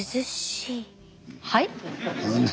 はい？